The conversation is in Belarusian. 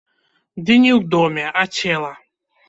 Ды не ў доме, а цела!